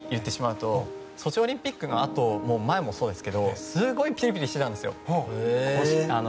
正直言ってしまうとソチオリンピックのあと前もそうですけどすごいピリピリしてたんです。